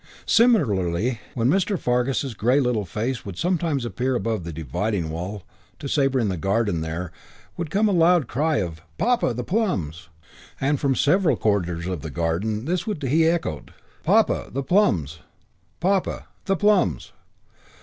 Similarly when Mr. Fargus's grey little face would sometimes appear above the dividing wall to Sabre in the garden there would come a loud cry of "Papa, the plums!" and from several quarters of the garden this would he echoed "Papa, the plums!" "Papa, the plums!"